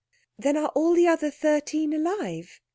"Then are all the other thirteen alive?"